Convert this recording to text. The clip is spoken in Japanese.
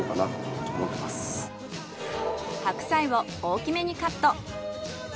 白菜を大きめにカット。